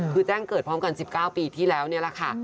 คือแจ้งเกิดพร้อมกัน๑๙ปีที่แล้วนี่แหละค่ะ